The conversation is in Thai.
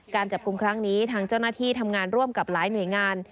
การจับกลุ่มครั้งนี้ทางเจ้าหน้าที่ทำงานร่วมกับหลายหน่วยงาน